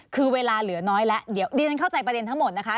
คือเวลาเหลือน้อยแล้วเดี๋ยวดิฉันเข้าใจประเด็นทั้งหมดนะคะ